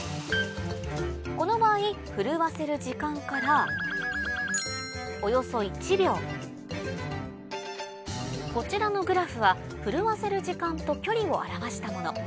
この場合震わせる時間からおよそ１秒こちらのグラフは震わせる時間と距離を表したもの